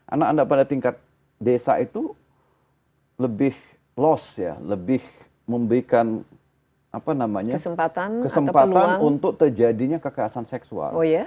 anak anda pada tingkat desa itu lebih loss ya lebih memberikan kesempatan untuk terjadinya kekerasan seksual